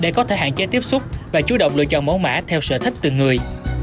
để có thể hạn chế tiếp xúc và chú động lựa chọn mẫu mã theo sở thích từ người